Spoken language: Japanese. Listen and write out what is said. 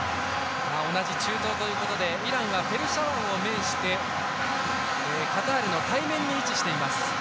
同じ中東ということでイランはペルシャ湾を面してカタールの対面に位置しています。